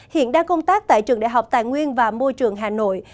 hiện đang công tác tại trường đại học tài nguyên và môi trường hà nội